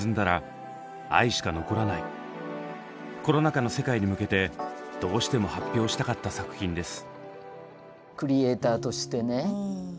コロナ禍の世界に向けてどうしても発表したかった作品です。